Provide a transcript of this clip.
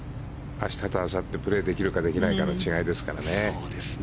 明日とあさってプレーできるか、できないかの違いですからね。